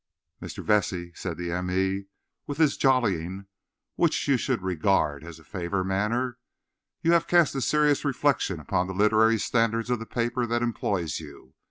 "Mr. Vesey," said the m. e., with his jollying which you should regard as a favour manner, "you have cast a serious reflection upon the literary standards of the paper that employs you.